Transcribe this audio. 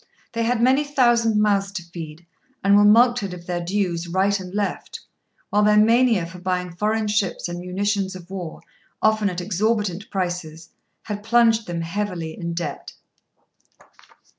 They had many thousand mouths to feed, and were mulcted of their dues right and left; while their mania for buying foreign ships and munitions of war, often at exorbitant prices, had plunged them heavily in debt.